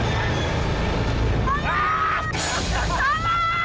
bersetuju yuk dengan serius